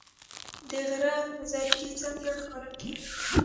د غره زرکې څنګه ښکار کیږي؟